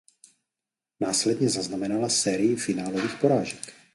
Následně zaznamenala sérii finálových porážek.